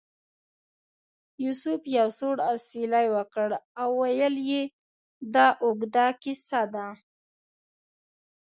یوسف یو سوړ اسویلی وکړ او ویل یې دا اوږده کیسه ده.